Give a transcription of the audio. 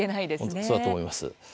本当にそうだと思います。